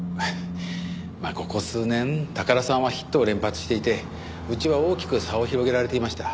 まあここ数年宝さんはヒットを連発していてうちは大きく差を広げられていました。